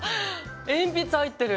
鉛筆入ってる！